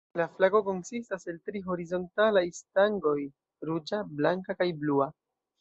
La flago konsistas el tri horizontalaj stangoj: ruĝa, blanka kaj blua.